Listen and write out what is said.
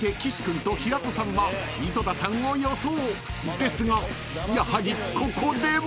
［ですがやはりここでも］